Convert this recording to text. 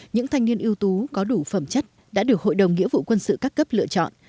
những thanh niên ưu tú có đủ phẩm chất đã được hội đồng nghĩa vụ quân sự các cấp lựa chọn